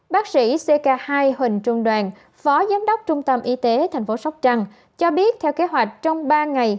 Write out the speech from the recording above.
bác sĩ ck hai huỳnh trung đoàn phó giám đốc trung tâm y tế tp sóc trăng cho biết theo kế hoạch trong ba ngày